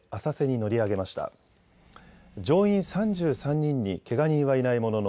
乗員３３人にけが人はいないものの